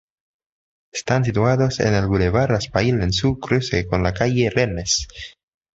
Están situados en el bulevar Raspail en su cruce con la calle Rennes.